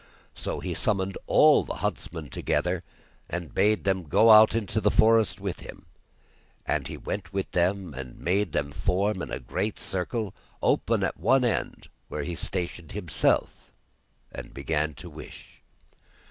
So he summoned all the huntsmen together, and bade them go out into the forest with him. And he went with them and made them form a great circle, open at one end where he stationed himself, and began to wish.